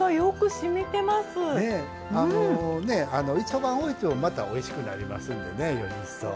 あのねえ一晩おいてもまたおいしくなりますんでねより一層。